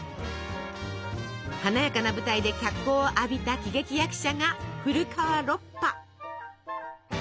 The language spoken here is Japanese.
華やかな舞台で脚光を浴びた喜劇役者が古川ロッパ。